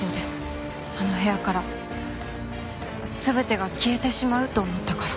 あの部屋から全てが消えてしまうと思ったから。